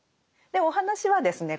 でお話はですね